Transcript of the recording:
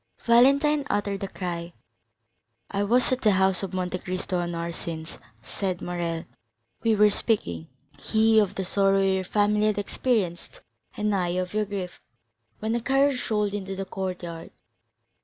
Valentine uttered a cry. "I was at the house of Monte Cristo an hour since," said Morrel; "we were speaking, he of the sorrow your family had experienced, and I of your grief, when a carriage rolled into the courtyard.